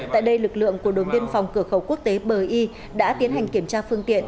tại đây lực lượng của đồn biên phòng cửa khẩu quốc tế bờ y đã tiến hành kiểm tra phương tiện